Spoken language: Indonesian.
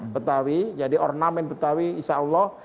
betawi jadi ornamen betawi insya allah